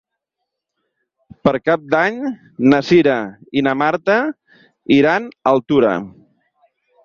Per Cap d'Any na Cira i na Marta iran a Altura.